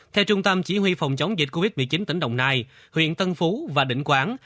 theo trung tâm chỉ huy phòng chống dịch covid một mươi chín tỉnh đồng nai huyện tân phú và định quán